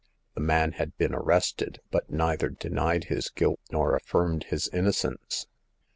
The man had been arrested, but neither denied his guilt nor affirmed his innocence.